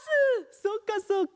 そうかそうか。